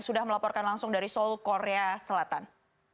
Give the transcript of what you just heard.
sudah melaporkan langsung dari seoul korea selatan